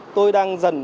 tôi đang dần